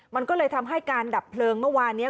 มันก็เลยทำให้การดับเพลิงเมื่อวานนี้